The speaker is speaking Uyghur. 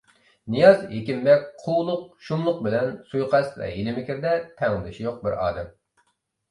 نىياز ھېكىمبەگ قۇۋلۇق، شۇملۇق بىلەن سۇيىقەست ۋە ھىيلە مىكىردە تەڭدىشى يوق بىر ئادەم.